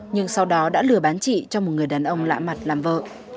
nhưng sau đó đã lừa bán chị cho một người đàn ông lạ mặt làm vợ